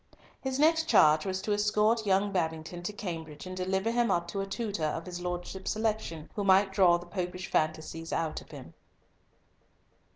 His next charge was to escort young Babington to Cambridge, and deliver him up to a tutor of his lordship's selection, who might draw the Popish fancies out of him.